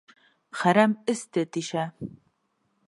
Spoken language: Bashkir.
Хәрәм эсте тишә.